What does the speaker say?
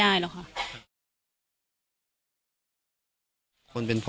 การแก้เคล็ดบางอย่างแค่นั้นเอง